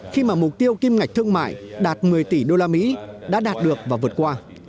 khi mà mục tiêu kim ngạch thương mại đạt một mươi tỷ usd đã đạt được và vượt qua